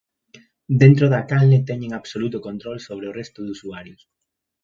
Dentro da canle teñen absoluto control sobre o resto de usuarios.